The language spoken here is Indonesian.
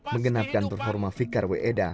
menggenapkan perhormah fikar w eda